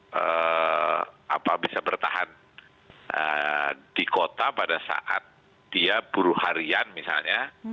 mereka bisa bertahan di kota pada saat dia buruh harian misalnya